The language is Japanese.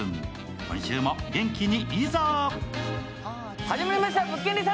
今週も元気に、いざ！